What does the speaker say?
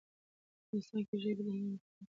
افغانستان کې ژبې د نن او راتلونکي لپاره ارزښت لري.